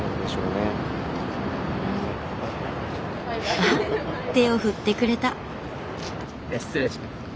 あっ手を振ってくれた。